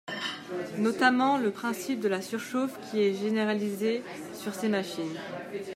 Notamment le principe de la surchauffe qui est généralisé sur ces machines.